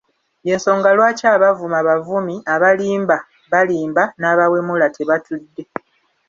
Y'ensonga lwaki abavuma bavumi, abalimba balimba n'abawemula tebatudde!